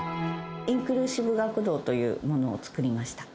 インクルーシブ学童というものを作りました。